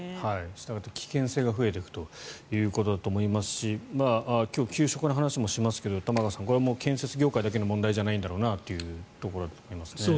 したがって危険性が増えていくということだと思いますし今日、給食の話もしますしこれは建設業界だけの話じゃないんだなと思います。